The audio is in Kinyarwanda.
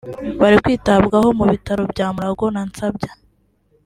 bari kwitabwaho mu Bitaro bya Mulago na Nsambya